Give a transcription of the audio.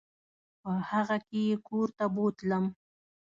په هغه کې یې کور ته بوتلم.